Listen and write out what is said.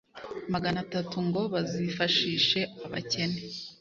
magana atatu ngo bazifashishe abakene